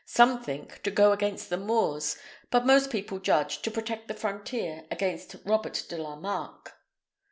"Some think, to go against the Moors; but most people judge, to protect the frontier against Robert de la Mark."